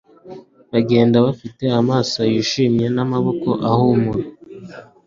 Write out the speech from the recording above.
Bagenda bafite amaso yishimye n'amaboko ahumura